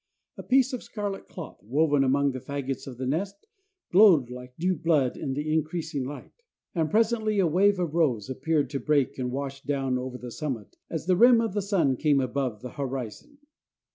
A piece of scarlet cloth, woven among the fagots of the nest, glowed like new blood in the increasing light. And presently a wave of rose appeared to break and wash down over the summit, as the rim of the sun came above the horizon.